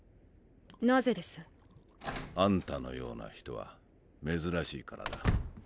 なぜです？あんたのような人は珍しいからだ。